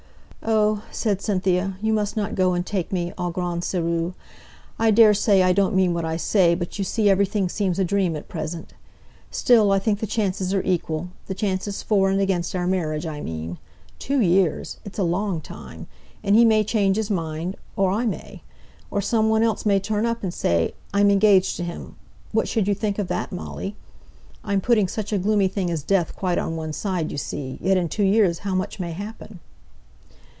"Oh!" said Cynthia; "you mustn't go and take me au grand sÄrieux. I daresay I don't mean what I say, but you see everything seems a dream at present. Still, I think the chances are equal the chances for and against our marriage, I mean. Two years! it's a long time! he may change his mind, or I may; or some one else may turn up, and I may get engaged to him: what should you think of that, Molly? I'm putting such a gloomy thing as death quite on one side, you see; yet in two years how much may happen!"